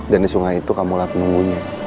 dan di sungai itu kamu lihat menunggunya